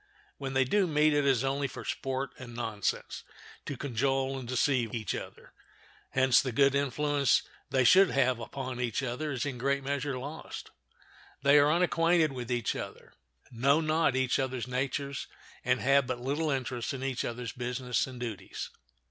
When they do meet it is only for sport and nonsense, to cajole and deceive each other. Hence the good influence they should have upon each other is in a great measure lost. They are unacquainted with each other, know not each other's natures, and have but little interest in each other's business and duties.